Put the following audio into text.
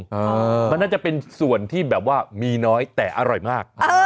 มันน่าจะเป็นส่วนที่แบบว่ามีน้อยแต่อร่อยมาก